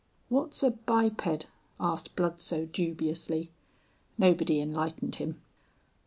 "What's a biped?" asked Bludsoe, dubiously. Nobody enlightened him.